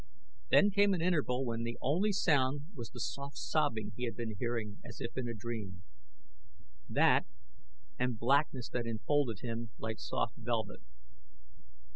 Then came an interval when the only sound was the soft sobbing he had been hearing as if in a dream. That, and blackness that enfolded him like soft velvet.